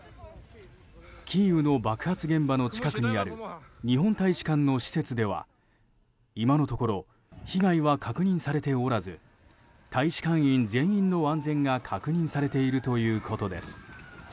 キーウの爆発現場の近くにある日本大使館の施設では今のところ被害は確認されておらず大使館員全員の安全が確認されているということです。